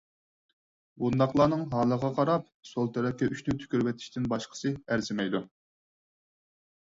بۇنداقلارنىڭ ھالىغا قاراپ سول تەرەپكە ئۈچنى تۈكۈرۈۋېتىشتىن باشقىسى ئەرزىمەيدۇ.